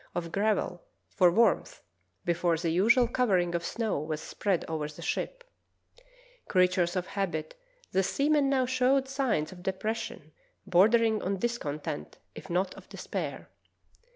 The Retreat of Ross from the Victory 41 of gravel, for warmth, before the usual covering of snow was spread over the ship. Creatures of habit, the sea men now showed signs of depression bordering on dis content if not of despair.